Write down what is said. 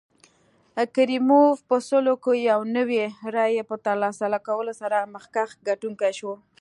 کریموف په سلو کې یو نوي رایې په ترلاسه کولو سره مخکښ ګټونکی شو.